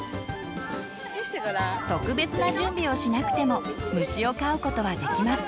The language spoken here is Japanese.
特別な準備をしなくても虫を飼う事はできます！